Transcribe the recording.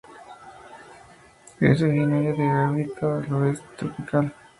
Es originario de África del oeste tropical.